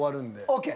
ＯＫ！